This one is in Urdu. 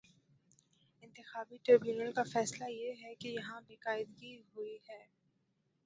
انتخابی ٹربیونل کا فیصلہ یہ ہے کہ یہاں بے قاعدگی ہو ئی ہے۔